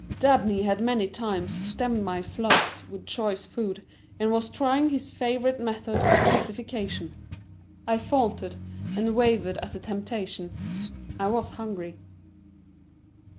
Dabney had many times stemmed my floods with choice food and was trying his favorite method of pacification. I faltered and wavered at the temptation. I was hungry.